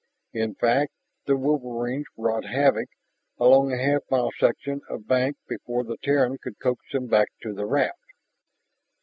In fact, the wolverines wrought havoc along a half mile section of bank before the Terran could coax them back to the raft.